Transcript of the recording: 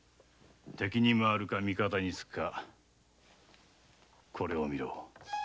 敵に回るか味方につくかこれを見ろ。